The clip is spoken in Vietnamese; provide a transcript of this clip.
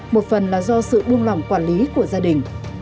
một phần là do sự buông lỏng quản lý của gia đình